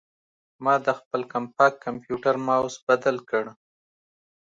ما د خپل کمپاک کمپیوټر ماؤس بدل کړ.